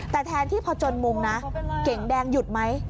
แต่แทนที่พอจนมุมนะเก๋งแดงหยุดไหม